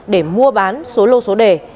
để mua bán số lô số đề